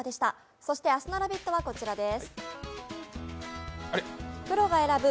そして明日の「ラヴィット！」はこちらです。